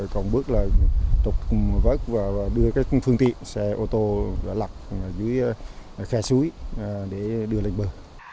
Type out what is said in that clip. còn bước là tục vớt và đưa các phương tiện xe ô tô lặt dưới khe suối để đưa lên bờ